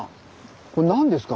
これ何ですか？